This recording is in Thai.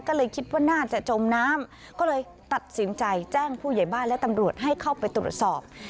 ก็เลยคิดว่าน่าจะจมน้ำก็เลยตัดสินใจแจ้งผู้ใหญ่บ้านและตำรวจให้เข้าไปตรวจสอบ